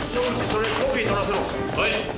それコピー取らせろ。